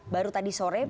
baru tadi sore